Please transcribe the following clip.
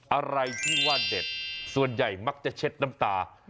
อะไรที่ว่าเด็ดส่วนใหญ่มักจะเช็ดน้ำตา